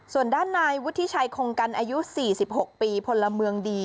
ส่วนด้านนายวุฒิชัยคงกันอายุ๔๖ปีพลเมืองดี